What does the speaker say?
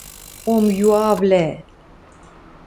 — Омъюавлӓ!